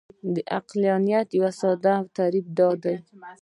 د عقلانیت یو ساده تعریف دا دی.